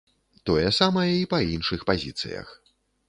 Тое самае і па іншых пазіцыях.